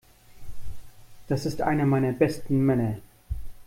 Das ist einer meiner besten Männer.